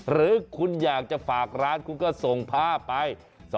หรือคุณอยากจะฝากร้านคุณก็ส่งภาพไป